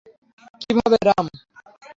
কীভাবে, রাম?